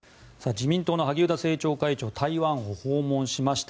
自民党の萩生田政調会長台湾を訪問しました。